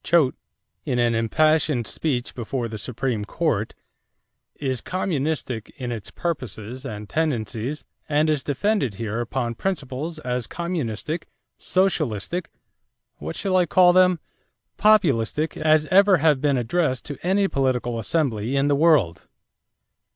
Choate, in an impassioned speech before the Supreme Court, "is communistic in its purposes and tendencies and is defended here upon principles as communistic, socialistic what shall I call them populistic as ever have been addressed to any political assembly in the world."